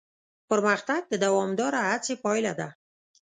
پرمختګ د دوامداره هڅې پایله ده.